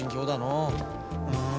うん。